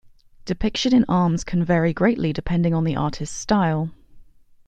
Depiction in arms can vary greatly depending on the artist's style.